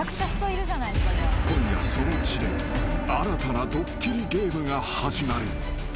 ［今夜その地で新たなドッキリゲームが始まる］